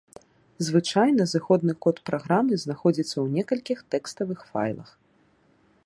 Звычайна зыходны код праграмы знаходзіцца ў некалькіх тэкставых файлах.